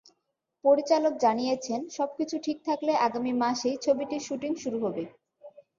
পরিচালক জানিয়েছেন, সবকিছু ঠিক থাকলে আগামী মাসেই ছবিটির শুটিং শুরু হবে।